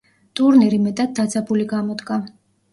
ტურნირი მეტად დაძაბული გამოდგა.